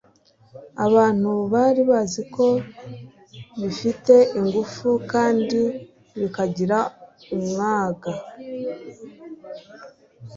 abantu bari bazi ko bifite ingufu kandi bikagira umwaga